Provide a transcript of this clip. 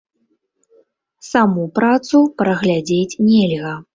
Саму працу праглядзець нельга.